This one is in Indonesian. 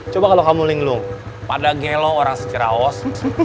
coba kalau kamu linglung pada gelo orang secera os